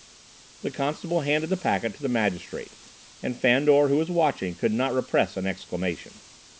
The constable handed the packet to the magistrate, and Fandor, who was watching, could not repress an exclamation.